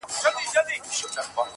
o له څه مودې راهيسي داسـي يـمـه.